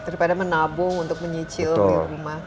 daripada menabung untuk menyicil di rumah